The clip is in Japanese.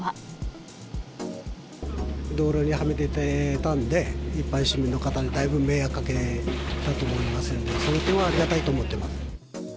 道路にはみ出てたんで、一般市民の方にだいぶ迷惑かけたと思いますんで、その点はありがたいと思ってます。